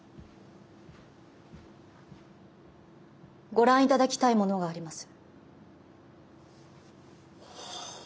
ご覧いただきたいものがあります。